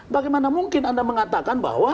bagaimana mungkin anda mengatakan bahwa